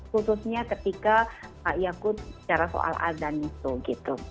khususnya ketika pak iyakut secara soal azan gitu